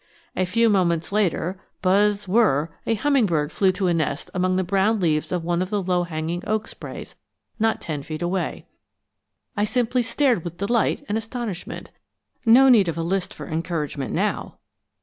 A few moments later buzz whirr a hummingbird flew to a nest among the brown leaves of one of the low hanging oak sprays not ten feet away! I simply stared with delight and astonishment. No need of a list for encouragement now.